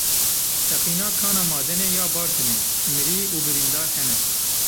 Teqîna kana madenê ya Bartinê, mirî û birîndar hene.